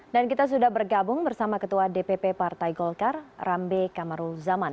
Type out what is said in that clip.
kita sudah bergabung bersama ketua dpp partai golkar rambe kamarul zaman